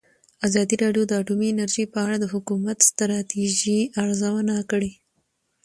ازادي راډیو د اټومي انرژي په اړه د حکومتي ستراتیژۍ ارزونه کړې.